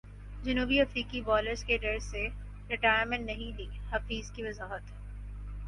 جنوبی افریقی بالرز کے ڈر سے ریٹائرمنٹ نہیں لی حفیظ کی وضاحت